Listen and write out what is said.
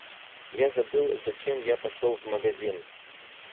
Я забыл, зачем я пошёл в магазин.